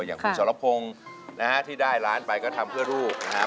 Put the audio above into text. อย่างคุณสรพงศ์นะฮะที่ได้ร้านไปก็ทำเพื่อลูกนะครับ